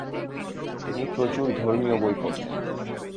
তিনি প্রচুর ধর্মীয় বই পড়তেন।